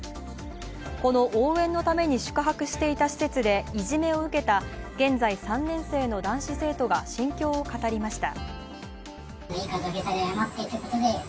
この応援のために宿泊していた施設でいじめを受けた現在３年生の男子生徒が心境を語りました。